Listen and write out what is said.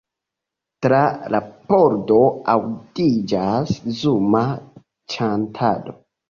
Tra la pordo aŭdiĝas zuma ĉantado.